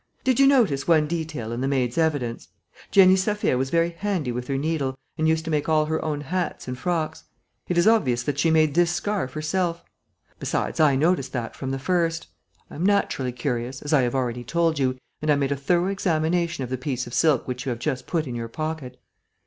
Did you notice one detail in the maid's evidence? Jenny Saphir was very handy with her needle and used to make all her own hats and frocks. It is obvious that she made this scarf herself.... Besides, I noticed that from the first. I am naturally curious, as I have already told you, and I made a thorough examination of the piece of silk which you have just put in your pocket.